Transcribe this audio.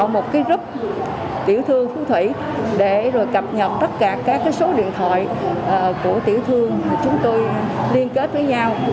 một cái group tiểu thương phú thủy để rồi cập nhật tất cả các số điện thoại của tiểu thương chúng tôi liên kết với nhau